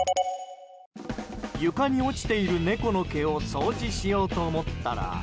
床に落ちている猫の毛を掃除しようと思ったら。